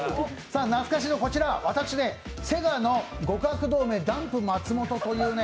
懐かしのこちら、私、ＳＥＧＡの「極悪同盟ダンプ松本」というね。